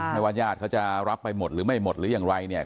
ว่าญาติเขาจะรับไปหมดหรือไม่หมดหรืออย่างไรเนี่ย